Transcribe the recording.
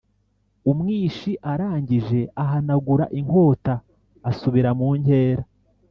umwishi arangije ahanagura inkota asubira munkera